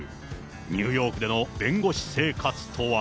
ニューヨークでの弁護士生活とは？